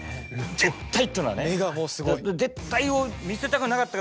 「絶対！」っていうのがね。